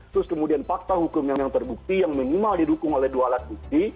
terus kemudian fakta hukum yang terbukti yang minimal didukung oleh dua alat bukti